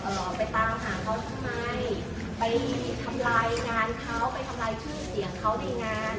ไปตามหาเขาทำไมไปทำลายงานเขาไปทำลายชื่อเสียงเขาในงาน